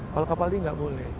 kalau kapalnya nggak boleh